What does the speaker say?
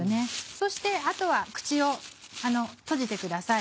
そしてあとは口を閉じてください。